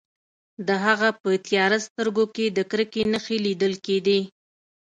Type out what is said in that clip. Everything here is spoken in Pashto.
د هغه په تیاره سترګو کې د کرکې نښې لیدل کیدې